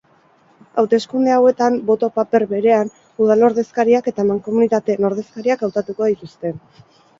Hauteskunde hauetan, boto-paper berean udal ordezkariak eta mankomunitateen ordezkariak hautatuko dituzte.